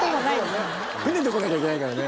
船で来なきゃいけないからね。